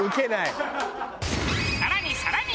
さらにさらに！